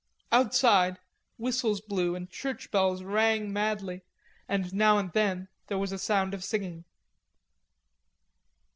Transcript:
Outside whistles blew and churchbells rang madly, and now and then there was a sound of singing.